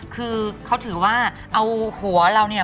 คือเขาถือว่าเอาหัวเราเนี่ย